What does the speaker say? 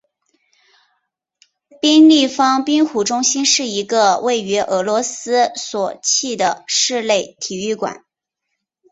冰立方冰壶中心是一个位于俄罗斯索契的室内体育馆。